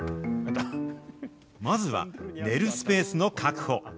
まずは、寝るスペースの確保。